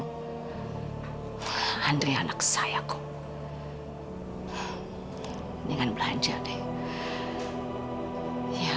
lagian juga ngapain sih sampai terganggu sama omongan orang gila itu